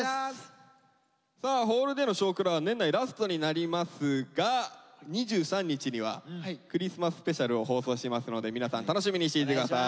さあホールでの「少クラ」は年内ラストになりますが２３日には「クリスマススペシャル」を放送しますので皆さん楽しみにしていて下さい。